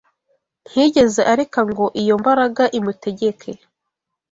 ntiyigeze areka ngo iyo mbaraga imutegeke